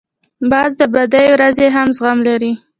باز د بدې ورځې هم زغم لري